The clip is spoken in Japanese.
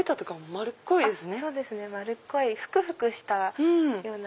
丸っこいふくふくしたような。